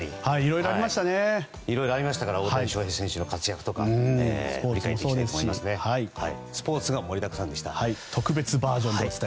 いろいろありましたから大谷翔平選手の活躍だったり。